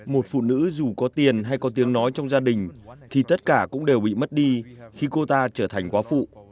một phụ nữ dù có tiền hay có tiếng nói trong gia đình thì tất cả cũng đều bị mất đi khi cô ta trở thành quá phụ